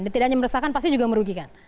dan tidak hanya meresahkan pasti juga merugikan